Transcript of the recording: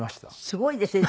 すごいですね。